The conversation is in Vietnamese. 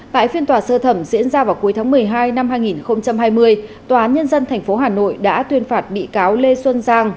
tại phiên tòa sơ thẩm diễn ra vào cuối tháng một mươi hai năm hai nghìn hai mươi tòa án nhân dân tp hà nội đã tuyên phạt bị cáo lê xuân giang